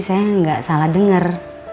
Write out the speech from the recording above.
saya enggak salah dengar